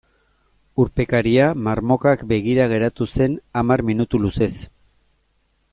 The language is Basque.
Urpekaria marmokak begira geratu zen hamar minutu luzez.